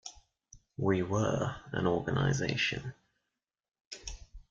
We were an organization.